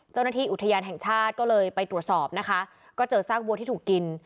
เจ้าหน้าที่อุทยานแห่งชาติก็เลยไปตรวจสอบนะคะก็เจอซากวัวที่ถูกกิน